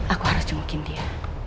aku harus cengukin dia